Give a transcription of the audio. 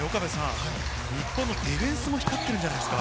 日本のディフェンスも光ってるんじゃないですか？